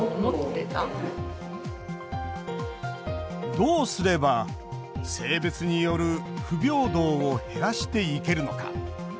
どうすれば性別による不平等を減らしていけるのか。